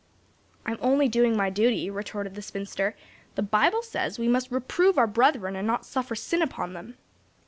"I'm only doing my duty," retorted the spinster; "the Bible says we must reprove our brethren and not suffer sin upon them."